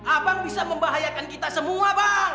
abang bisa membahayakan kita semua bang